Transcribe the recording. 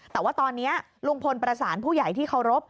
แต่ว่าตอนนี้ลุงพลประสานผู้ใหญ่ที่เคารพ